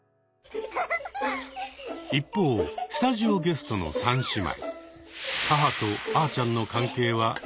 一方スタジオゲストの三姉妹。